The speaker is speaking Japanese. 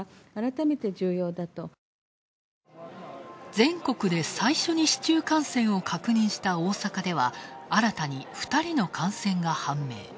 全国で最初に市中感染を確認した大阪では新たに２人の感染が判明。